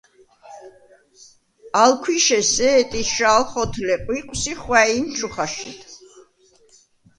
ალ ქვიშე სე̄ტიშა̄ლ ხოთლე ყვიყვს ი ხვა̄̈ჲნ ჩუ ხაშიდ.